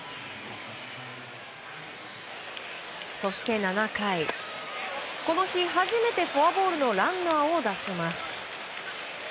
そして７回、この日初めてフォアボールのランナーを出します。